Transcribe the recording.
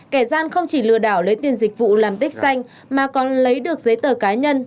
kẻ gian không chỉ lừa đảo lấy tiền dịch vụ làm tích xanh mà còn lấy được giấy tờ cá nhân